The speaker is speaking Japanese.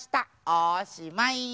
おしまい。